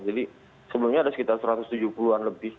jadi sebelumnya ada sekitar satu ratus tujuh puluh an lebih